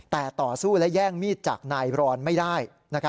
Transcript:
แต่ต่อสู้และแย่งมีดจากนายรอนไม่ได้